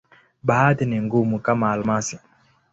Baadhi ni ngumu, kama almasi.